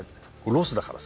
ロスだからさ